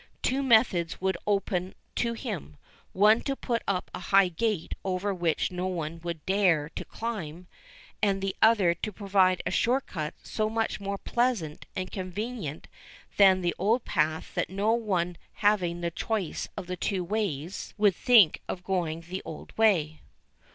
Two methods would be open to him: one to put up a high gate over which no one would dare to climb, and the other to provide a short cut so much more pleasant and convenient than the old path that no one having the choice of the two ways would think of going the old way.